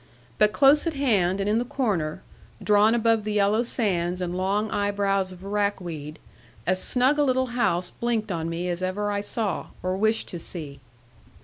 But close at hand and in the corner, drawn above the yellow sands and long eye brows of rackweed, as snug a little house blinked on me as ever I saw, or wished to see.